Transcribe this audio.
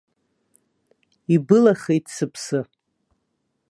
Ибылахеит сыԥсы.